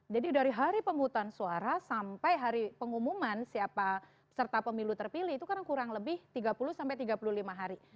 jadi dari hari pemutusan suara sampai hari pengumuman siapa serta pemilu terpilih itu kan kurang lebih tiga puluh sampai tiga puluh lima hari